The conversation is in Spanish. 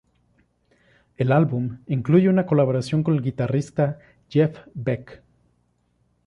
El álbum incluye una colaboración con el guitarrista Jeff Beck.